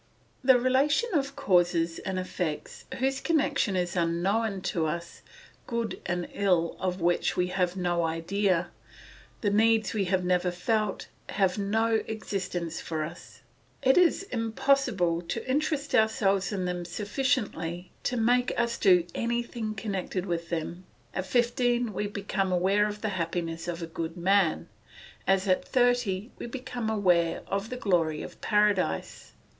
The relation of causes and effects whose connection is unknown to us, good and ill of which we have no idea, the needs we have never felt, have no existence for us. It is impossible to interest ourselves in them sufficiently to make us do anything connected with them. At fifteen we become aware of the happiness of a good man, as at thirty we become aware of the glory of Paradise.